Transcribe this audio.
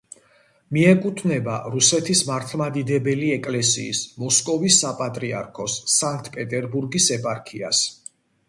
მიეკუთვნება რუსეთის მართლმადიდებელი ეკლესიის, მოსკოვის საპატრიარქოს, სანქტ-პეტერბურგის ეპარქიას.